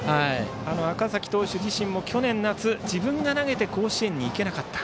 赤嵜投手自身も去年夏自分が投げて甲子園に行けなかった。